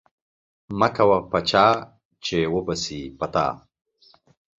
مکوه په چاه چې و به سي په تا.